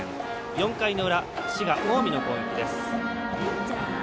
４回の裏、滋賀、近江の攻撃です。